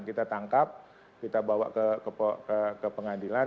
kita tangkap kita bawa ke pengadilan